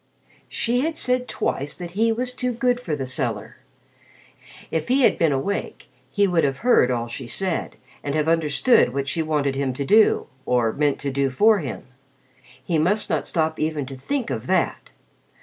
She had said twice that he was too good for the cellar. If he had been awake, he would have heard all she said and have understood what she wanted him to do or meant to do for him. He must not stop even to think of that.